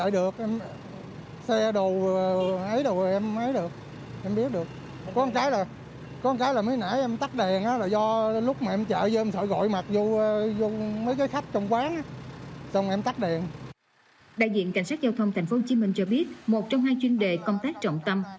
đại diện cảnh sát giao thông tp hcm cho biết một trong hai chuyên đề công tác trọng tâm